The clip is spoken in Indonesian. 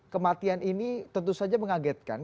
kematian ini tentu saja mengagetkan